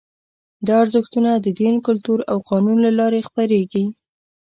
دا ارزښتونه د دین، کلتور او قانون له لارې خپرېږي.